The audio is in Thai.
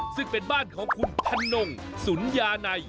ซึ่งเป็นบ้านของคุณธนงสุนยานัย